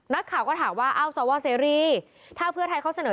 นักข่าวก็ถามว่าอ้าวสวเสรีถ้าเพื่อไทยเขาเสนอ